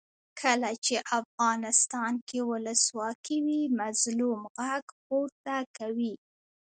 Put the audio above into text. کله چې افغانستان کې ولسواکي وي مظلوم غږ پورته کوي.